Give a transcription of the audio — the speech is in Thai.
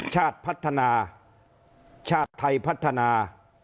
ชาติพัฒนาชาติไทยพัฒนา